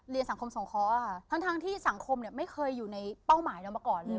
เรียนสังคมส่งเคา้ะค่ะทั้งที่สังคมไม่เคยอยู่ในเป้าหมายโดยมาก่อนเลย